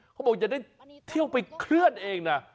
เขาบอกอย่าได้เที่ยวไปเคลื่อนเองนะ